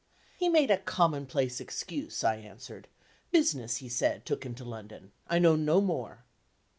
"He made a commonplace excuse," I answered. "Business, he said, took him to London. I know no more."